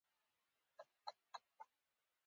د لنګوټې تړل د ښه شخصیت څرګندونه کوي